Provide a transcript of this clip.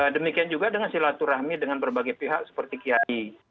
demikian juga dengan silaturahmi dengan berbagai pihak seperti kiai